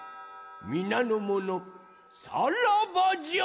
みなのものさらばじゃ！